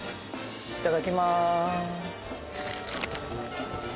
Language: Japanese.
いただきます。